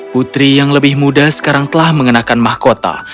putri yang lebih muda sekarang telah mengenakan mahkota